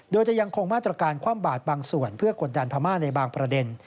โดยจะยังคงมาตรการความบาดบางส่วนเพื่อกดดันพม่าในบางประเด็น